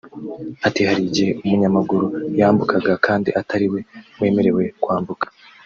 Ati “Hari igihe umunyamaguru yambukaga kandi atari we wemerewe kwambuka